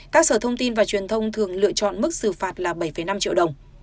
các sở thông tin và truyền thông thường lựa chọn mức xử phạt là bảy năm triệu đồng